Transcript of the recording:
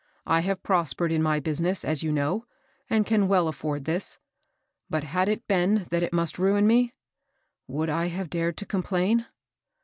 I have prospered in my business, as you know, and can well afford this ; but had it been that it must ruin me, would I have, dared to complain